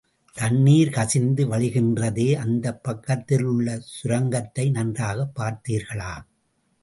தண்ணீர் கசிந்து வழிகின்றதே அந்தப் பக்கத்திலுள்ள சுரங்கத்தை நன்றாகப் பார்த்தீர்களா?